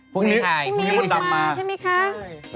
พรุ่งนี้คุณบัดดำมาดีกัน